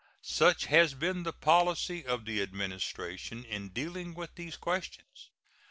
Such has been the policy of the Administration in dealing with these questions.